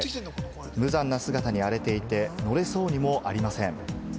無残な姿に荒れていて、乗れそうにもありません。